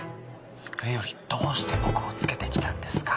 それよりどうして僕をつけてきたんですか？